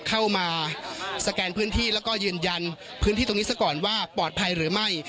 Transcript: เข้ามาสแกนพื้นที่แล้วก็ยืนยันพื้นที่ตรงนี้ซะก่อนว่าปลอดภัยหรือไม่